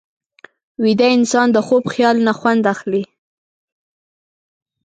ویده انسان د خوب خیال نه خوند اخلي